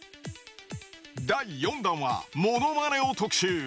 第４弾は、ものまねを特集。